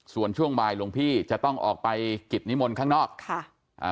ส่วนช่วงบ่ายหลวงพี่จะต้องออกไปกิจนิมนต์ข้างนอกค่ะอ่า